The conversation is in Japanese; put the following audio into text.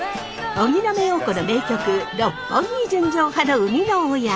荻野目洋子の名曲「六本木純情派」の生みの親